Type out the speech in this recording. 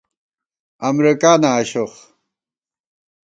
امرېکانہ آشوخ